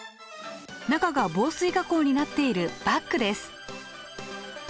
中が防水加工になっているバッグです。